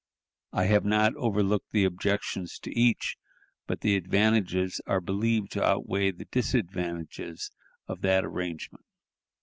I have not overlooked the objections to each, but the advantages are believed to outweigh the disadvantages of that arrangement.